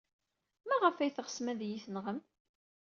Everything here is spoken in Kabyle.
Maɣef ay teɣsem ad iyi-tenɣem?